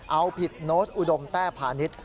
เอาผิดโน้ตอุดมแต้พาณิชย์